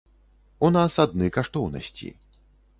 У нас адны каштоўнасці.